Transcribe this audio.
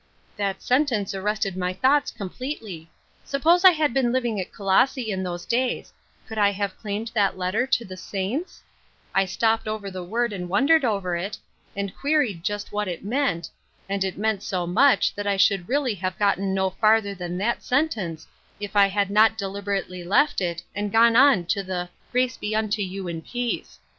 That sentence arrested my thoughts completely. Suppose I had been living at Colosse in those days, could I have claimed that letter to the saints P I stopped over the word and wondered over it, and queried just what i meant, and it meant so much that I should reall} have gotten no farther than that sentence if 1 had not deliberately left it and gone on to the * Grace be unto you and peace.'